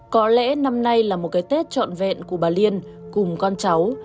có lẽ năm nay là một cái tết trọn vẹn của bà liên cùng con cháu